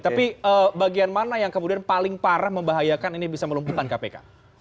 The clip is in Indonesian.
tapi bagian mana yang kemudian paling parah membahayakan ini bisa melumpuhkan kpk